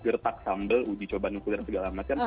gertak sambil uji coba nuklir segala macam